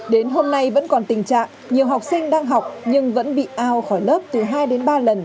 đến hôm nay vẫn còn tình trạng nhiều học sinh đang học nhưng vẫn bị ao khỏi lớp từ hai đến ba lần